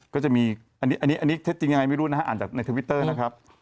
ก็จะมีอันนี้เทศจริงงายไม่รู้นะครับอ่านจากทวิตเตอร์นะครับ